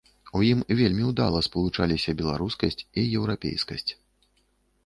У ім вельмі ўдала спалучаліся беларускасць і еўрапейскасць.